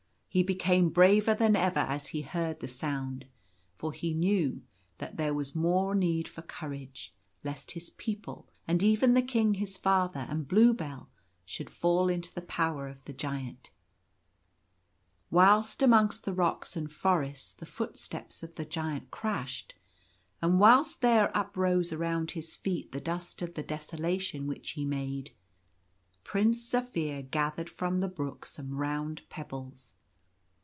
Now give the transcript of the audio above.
He became braver than ever as he heard the sound ; for he knew that there was the more need for courage, lest his people, and even the King his father, and Bluebell, should fall into the power of the Giant Whilst amongst the rocks and forests the footsteps of the Giant crashed, and whilst there uprose around his feet the dust of the desolation which he made, Prince Zaphir gathered from the brook some round pebbles.